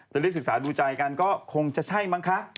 จะเรียกศึกษาดูใจกันก็คงจะใช่มั้งคะ